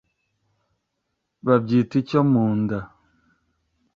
babyita icyo mu nda